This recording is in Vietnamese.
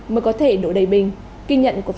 mới có thể đổ đầy bình